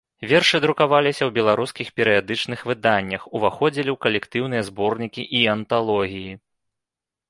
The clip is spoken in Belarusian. Вершы друкаваліся ў беларускіх перыядычных выданнях, уваходзілі ў калектыўныя зборнікі і анталогіі.